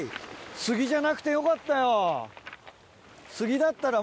杉じゃなくてよかったよ。